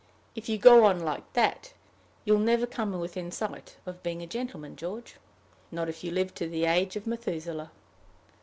If you go on like that, you'll never come within sight of being a gentleman, George not if you live to the age of Methuselah."